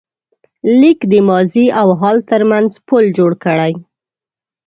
لیک د ماضي او حال تر منځ پُل جوړ کړ.